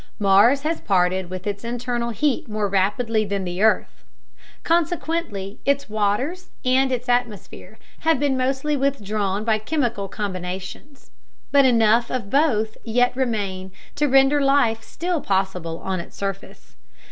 Mars has parted with its internal heat more rapidly than the earth; consequently its waters and its atmosphere have been mostly withdrawn by chemical combinations, but enough of both yet remain to render life still possible on its surface.